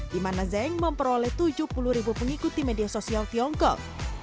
di mana zeng memperoleh tujuh puluh ribu pengikut di media sosial tiongkok